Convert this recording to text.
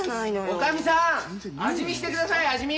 ・おかみさん！味見してください味見！